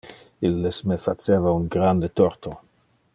Illes me faceva un grande torto.